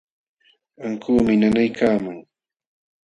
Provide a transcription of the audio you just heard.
Ankuumi nanaykaman.